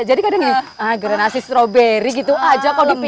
jadi kadang gerenasi stroberi gitu aja kalau dipikir